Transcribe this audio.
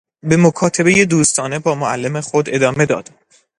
به مکاتبهی دوستانه با معلم خود ادامه داد.